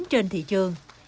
trên thị trường